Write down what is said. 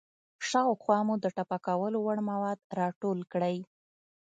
شاوخوا مو د ټاپه کولو وړ مواد راټول کړئ.